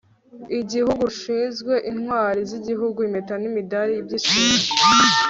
igihugu rushinzwe intwari z'igihugu, impeta n'imidari by'ishimwe